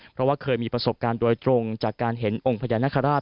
เพราะว่าเคยมีประสบการณ์โดยตรงจากการเห็นองค์พญานาคาราช